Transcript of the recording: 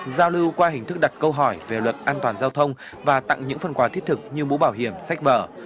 giao lưu qua hình thức đặt câu hỏi về luật an toàn giao thông và tặng những phần quà thiết thực như mũ bảo hiểm sách vở